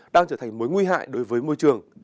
đang trở thành mối nguy hại đối với môi trường